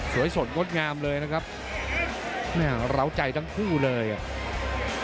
สวยสนกดงามเลยนะครับเนี่ยเหล้าใจทั้งคู่เลยอ่ะ